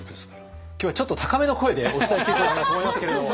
今日はちょっと高めの声でお伝えしていこうかなと思いますけれども。